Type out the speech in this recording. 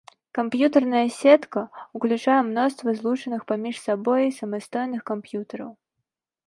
Камп'ютарная сетка ўключае мноства злучаных паміж сабой самастойных камп'ютараў.